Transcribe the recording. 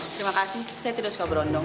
terima kasih saya tidak suka berondong